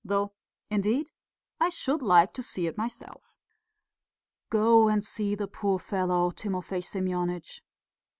Though, indeed, I should like to see it myself." "Go and see the poor fellow, Timofey Semyonitch."